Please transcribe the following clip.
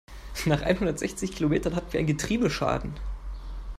Nach einhundertsechzig Kilometern hatten wir einen Getriebeschaden.